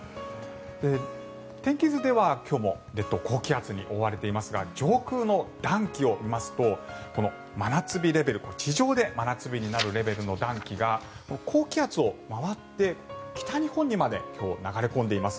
天気図では今日も列島、高気圧に覆われていますが上空の暖気を見ますとこの真夏日レベル地上で真夏日になるレベルの暖気が高気圧を回って北日本にまで流れ込んでいます。